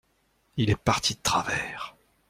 Il est parti de travers.